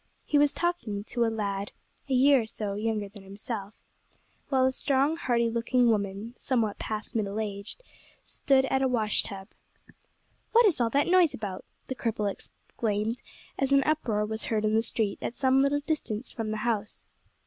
He was talking to a lad a year or so younger than himself, while a strong, hearty looking woman, somewhat past middle age, stood at a wash tub. "What is all that noise about?" the cripple exclaimed, as an uproar was heard in the street at some little distance from the house.